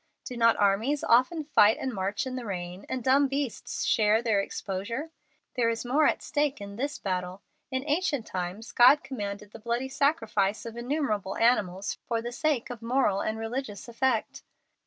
Do not armies often fight and march in the rain, and dumb beasts share their exposure? There is more at stake in this battle. In ancient times God commanded the bloody sacrifice of innumerable animals for the sake of moral and religious effect.